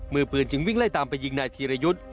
มือปืนจึงวิ่งไล่ตามไปยิงนายธีรยุทธ์